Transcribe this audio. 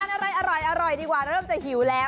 อะไรอร่อยดีกว่าเริ่มจะหิวแล้ว